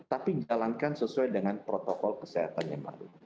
tetapi dijalankan sesuai dengan protokol kesehatan yang baru